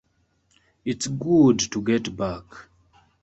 It’s good to get back.